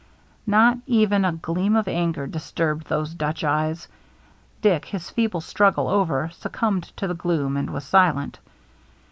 Not even a gleam of anger disturbed those Dutch eyes. Dick, his feeble struggle over, succumbed to the gloom and was silent.